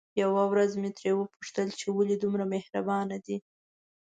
يوه ورځ مې ترې وپوښتل چې ولې دومره مهربانه دي؟